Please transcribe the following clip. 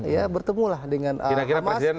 ya bertemu lah dengan hamas